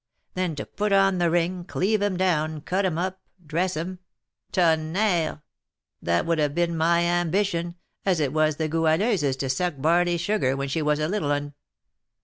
then to put on the ring, to cleave him down, cut him up, dress him, Tonnerre! that would have been my ambition, as it was the Goualeuse's to suck barley sugar when she was a little 'un.